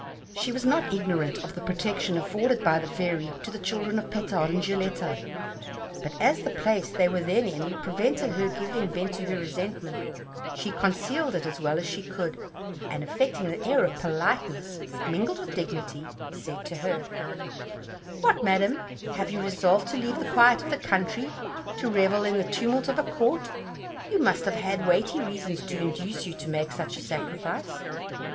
She was not ignorant of the protection afforded by the fairy to the children of Petard and Gil letta; but as the place they were then in prevented her giving vent to her resentment, she concealed it as well as she could; and affecting an air of politeness mingled with dignity, said to her: "What, madam, have you resolved to leave the quiet of the country, to revel in the tumult of a court? you must have had weighty reasons to induce you to make such a sacrifice."